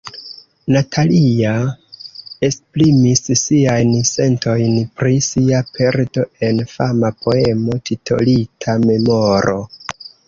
Natalia esprimis siajn sentojn pri sia perdo en fama poemo titolita "Memoro".